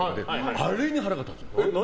あれに腹が立つの。